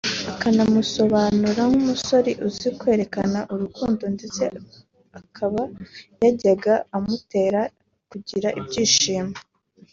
akamusobanura nk’umusore uzi kwerekana urukundo ndetse akaba yajyaga amutera kugira ibyishimo